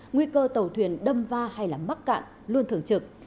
nguy cơ tàu thuyền đâm va hay mắc cạn luôn thường trực